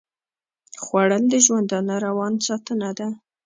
خوړل د ژوندانه روان ساتنه ده